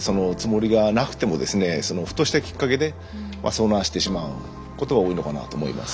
ふとしたきっかけで遭難してしまうことが多いのかなと思います。